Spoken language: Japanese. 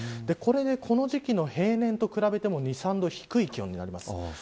これでこの時期の平年と比べても２、３度低い気温です。